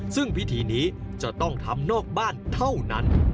ซึ่งพิธีนี้จะต้องทำนอกบ้านเท่านั้น